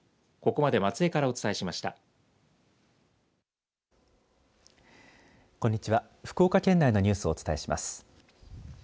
こんにちは、福岡県内のニュースをお伝えします。